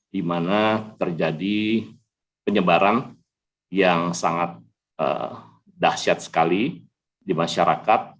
di mana terjadi penyebaran yang sangat dahsyat sekali di masyarakat